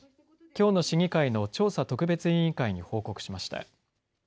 きょうの市議会の調査特別委員会に報告しました。